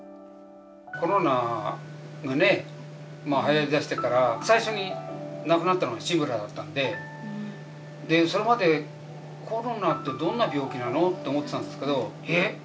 コロナがね、はやりだしてから、最初に亡くなったのが志村だったんで、それまでコロナってどんな病気なの？って思ってたんですけど、え？